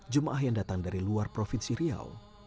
jemaah yang datang dari luar provinsi riau